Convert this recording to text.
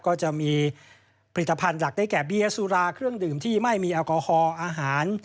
ก็จะมีผลิตภัณฑ์หลักได้แก่เบียร์สุราเครื่องดื่มที่ไม่มีแอลกอฮอล์อาหาร